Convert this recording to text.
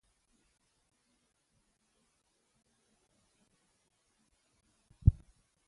تاسو دا پښتو په ژباړه کې ډيره ونډه نه اخلئ نو څه ووايم